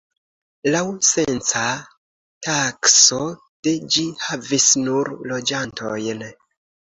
Laŭ censa takso de ĝi havis nur loĝantojn.